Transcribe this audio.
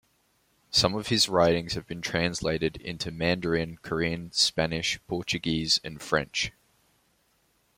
Some of his writings have been translated into Mandarin, Korean, Spanish, Portuguese and French.